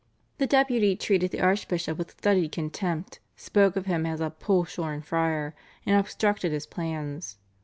The Deputy treated the archbishop with studied contempt, spoke of him as a "poll shorn" friar and obstructed his plans.